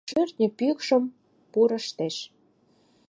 Шӧртньӧ пӱкшым пурыштеш